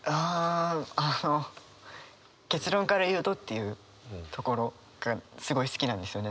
ああの「結論から言うと」っていうところがすごい好きなんですよね何か。